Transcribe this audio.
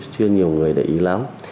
chưa nhiều người để ý lắm